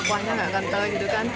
kuahnya nggak kental gitu kan